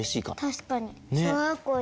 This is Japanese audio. たしかに。